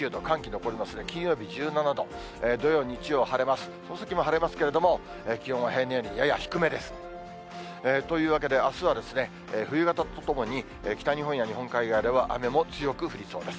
この先も晴れますけれども、気温は平年よりやや低めです。というわけで、あすは冬型とともに、北日本や日本海側では雨も強く降りそうです。